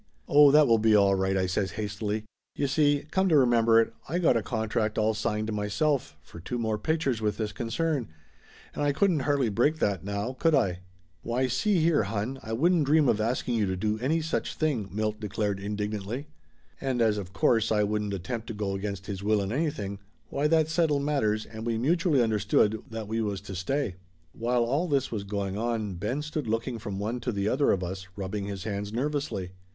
"Oh, that will be all right!" I says hastily. "You see, come to remember it, I got a contract all signed myself, for two more pictures with this concern, and I couldn't hardly break that, now could I ?" "Why, see here, hon, I wouldn't dream of asking you to do any such thing !" Milt declared indignantly. And as of course I wouldn't attempt to go against his will in anything, why that settled matters and we mu tually understood that we was to stay. While all this was going on Ben stood looking from one to the other of us, rubbing his hands nervously.